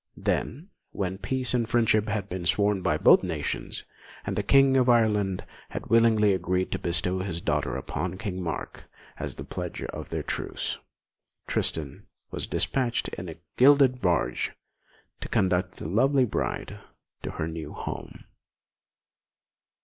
Then, when peace and friendship had been sworn by both nations, and the King of Ireland had willingly agreed to bestow his daughter upon King Mark as the pledge of their truce, Tristan was despatched in a gilded barge to conduct the lovely bride to her new home.